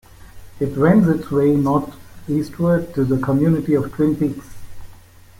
It wends its way northeastward to the community of Twin Peaks.